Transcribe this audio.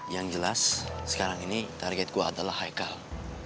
yang jelas sekarang ini target gua adalah haikal